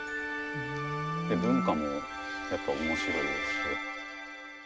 文化もやっぱおもしろいですし。